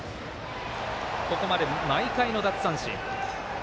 ここまで毎回の奪三振。